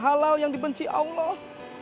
halal yang dibenci allah